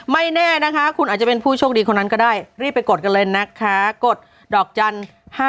ไม่แน่นะคะคุณอาจจะเป็นผู้โชคดีคนนั้นก็ได้รีบไปกดกันเลยนะคะกดดอกจันทร์